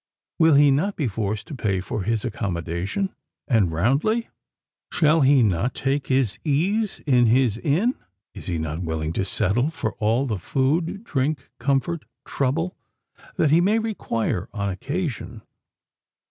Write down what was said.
Will he not be forced to pay for his accommodation and roundly? Shall he not take his ease in his inn? Is he not willing to settle for all the food, drink, comfort, trouble, that he may require or occasion?